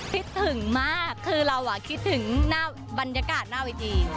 คิดถึงมากคือเราคิดถึงหน้าบรรยากาศหน้าเวที